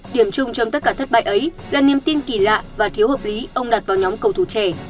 điểm chung trong tất cả thất bại ấy là niềm tin kỳ lạ và thiếu hợp lý ông đặt vào nhóm cầu thủ trẻ